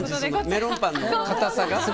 メロンパンの硬さ？